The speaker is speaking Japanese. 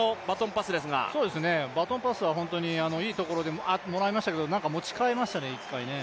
バトンパスはいいところでもらいましたけど、１回、持ち替えましたね。